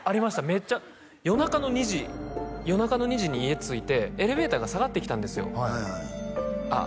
めっちゃ夜中の２時夜中の２時に家着いてエレベーターが下がってきたんですよあっ